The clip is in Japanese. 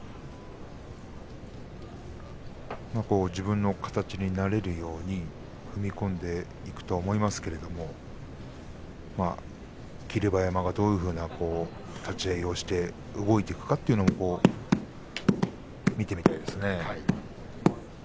自分の形になれるように踏み込んでいくと思いますが霧馬山が、どういうふうな立ち合いをして動いていくかというのを見てみたいですね。